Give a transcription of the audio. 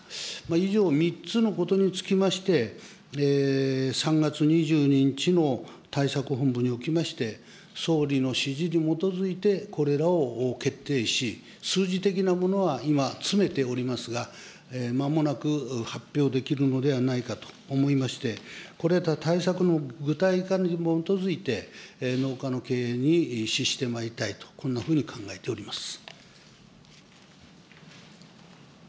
以上、３つのことにつきまして、３月２２日の対策本部におきまして、総理の指示に基づいて、これらを決定し、数字的なものは今、詰めておりますが、まもなく発表できるのではないかと思いまして、これら対策の具体化に基づいて、農家の経営に資してまいりたいと、こんなふうに考えております。